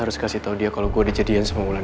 terus kasih tau dia kalo gue ada jadian semanggulan